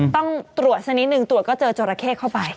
ต้องตรวจสักนิดนึงตรวจก็เจอจราเข้เข้าไป